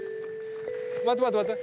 待って待って待って。